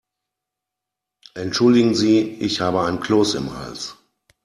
Entschuldigen Sie, ich habe einen Kloß im Hals.